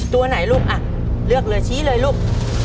ตัวไหนลูกอ่ะเลือกเลยชี้เลยลูก